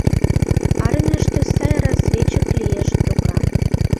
Армийыште сай разведчик лиеш, докан.